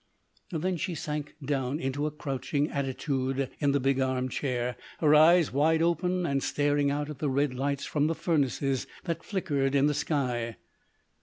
Then she sank down into a crouching attitude in the big arm chair, her eyes wide open and staring out at the red lights from the furnaces that flickered in the sky.